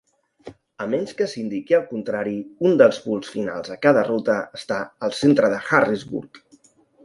A menys que s'indiqui el contrari, un dels punts finals a cada ruta està al centre de Harrisburg.